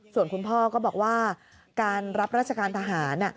ส่วนคุณพ่อก็บอกว่าการรับราชการทหาร